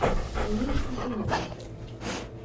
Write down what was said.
Bunu hiç düşünmemiştim.